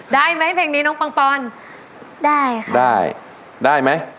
ได้ไหมเพลงนี้น้องปังปอนได้ค่ะได้ได้ไหม